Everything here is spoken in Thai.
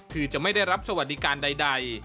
คือจะไม่ได้รับสวัสดิการใด